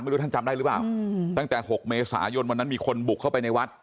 ท่านจำได้หรือเปล่าตั้งแต่๖เมษายนวันนั้นมีคนบุกเข้าไปในวัด